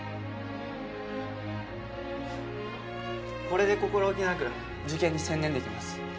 これで心置きなく受験に専念できます。